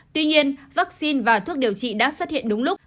tuy nhiên vaccine và thuốc điều trị đã xuất hiện đúng lúc